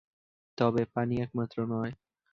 তবে পানিই একমাত্র নয়।